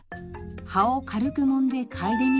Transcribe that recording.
葉を軽くもんで嗅いでみると。